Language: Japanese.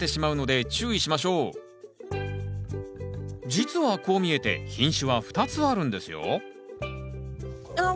実はこう見えて品種は２つあるんですよああ